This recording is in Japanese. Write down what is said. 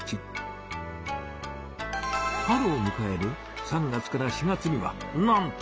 春をむかえる３月から４月にはなんと！